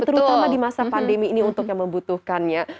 terutama di masa pandemi ini untuk yang membutuhkannya